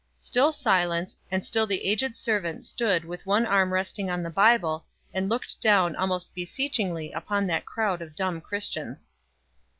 Still silence, and still the aged servant stood with one arm resting on the Bible, and looked down almost beseechingly upon that crowd of dumb Christians.